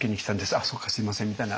「あっそうかすみません」みたいな